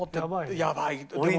やばいね。